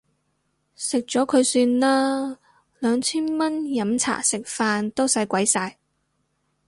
食咗佢算啦，兩千蚊飲茶食飯都使鬼晒